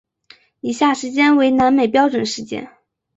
以下时间为南美标准时间。